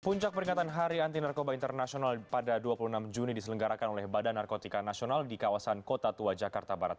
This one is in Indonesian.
puncak peringatan hari anti narkoba internasional pada dua puluh enam juni diselenggarakan oleh badan narkotika nasional di kawasan kota tua jakarta barat